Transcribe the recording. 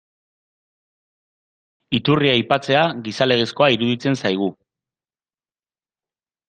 Iturria aipatzea, gizalegezkoa iruditzen zaigu.